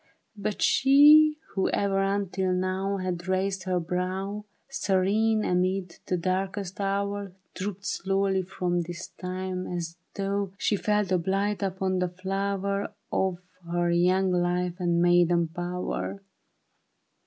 But she who ever until now Had raised her brow. Serene amid the darkest hour, Drooped slowly from this time as though She felt a blight upon the flower Of her young life and maiden power.